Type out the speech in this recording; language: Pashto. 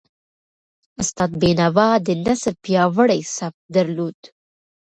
استاد بینوا د نثر پیاوړی سبک درلود.